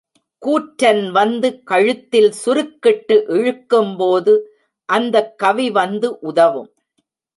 கூற்றன் வந்து கழுத்தில் சுருக்கிட்டு இழுக்கும்போது அந்தக் கவி வந்து உதவும்.